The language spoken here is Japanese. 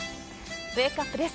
ウェークアップです。